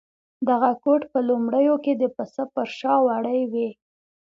دغه کوټ په لومړیو کې د پسه په شا وړۍ وې.